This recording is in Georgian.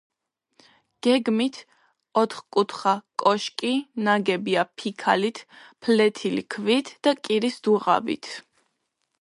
გეგმით ოთხკუთხა კოშკი ნაგებია ფიქალით, ფლეთილი ქვით და კირის დუღაბით.